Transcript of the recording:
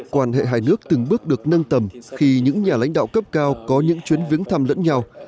quan hệ hai nước từng bước được nâng tầm khi những nhà lãnh đạo cấp cao có những chuyến viếng thăm lẫn nhau